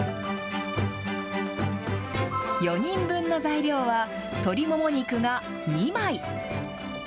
４人分の材料は、鶏もも肉が２枚。